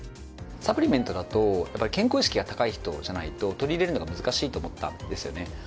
サプリメントだとやっぱり健康意識が高い人じゃないと取り入れるのが難しいと思ったんですよね。